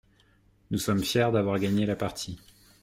Nous sommes fiers d'avoir gagné la partie.